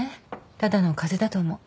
ただの風邪だと思う。